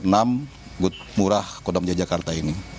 gudang murah kodam jaya jakarta ini